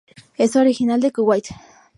Es original de Kuwait.